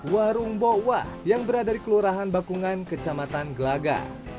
warung bokwa yang berada di kelurahan bakungan kecamatan gelaga